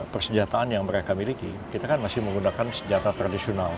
persenjataan yang mereka miliki kita kan masih menggunakan senjata tradisional